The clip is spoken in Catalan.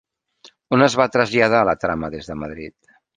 On es va traslladar la trama des de Madrid?